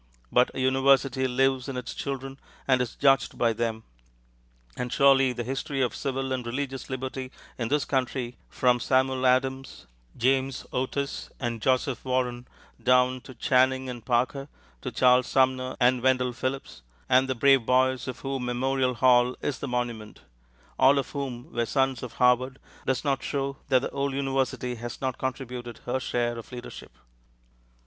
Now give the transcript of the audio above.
But a university lives in its children, and is judged by them; and surely the history of civil and religious liberty in this country from Samuel Adams, James Otis, and Joseph Warren down to Channing and Parker, to Charles Sumner and Wendell Phillips, and the brave boys of whom Memorial Hall is the monument, all of whom were sons of Harvard, does not show that the old university has not contributed her share of leadership.